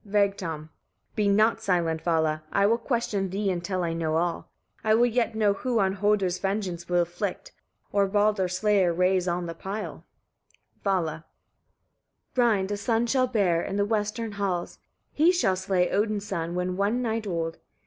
Vegtam. 15. "Be not silent, Vala! I will question thee, until I know all. I will yet know who on Hödr vengeance will inflict, or Baldr's slayer raise on the pile." Vala. 16. "Rind a son shall bear, in the western halls: he shall slay Odin's son, when one night old.